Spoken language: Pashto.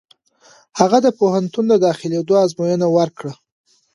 هغه د پوهنتون د داخلېدو ازموینه ورکړه.